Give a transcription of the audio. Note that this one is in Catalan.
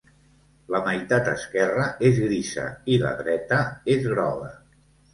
La meitat esquerra és grisa i la dreta és groga.